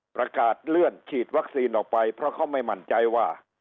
ประกาศเลื่อนฉีดวัคซีนออกไปเพราะเขาไม่มั่นใจว่า